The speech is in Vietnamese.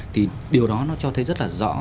thì điều đó nó cho thấy rất là rõ